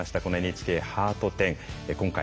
このＮＨＫハート展。